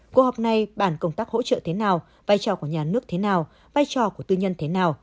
cuộc họp này bản công tác hỗ trợ thế nào vai trò của nhà nước thế nào vai trò của tư nhân thế nào